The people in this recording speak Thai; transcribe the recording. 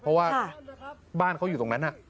เพราะว่าบ้านเขาอยู่ตรงนั้น